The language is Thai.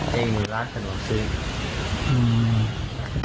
ไปอยู่ร้านสนุกซื้อ